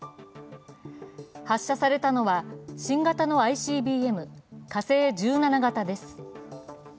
発射されたのは、新型のＩＣＢＭ＝火星１７型です。